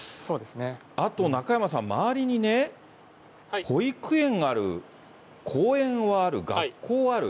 あと、中山さん、周りにね、保育園がある、公園はある、学校はある。